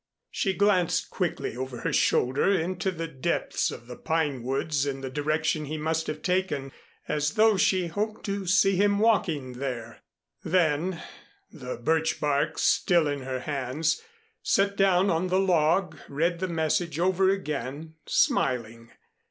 She glanced quickly over her shoulder into the depths of the pine woods in the direction he must have taken as though she hoped to see him walking there; then, the birch bark still in her hands, sat down on the log, read the message over again, smiling.